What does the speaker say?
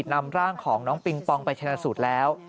นำร่างของน้องปิงปองไปชนะสูตรแล้ว